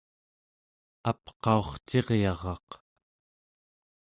apqaurciryaraq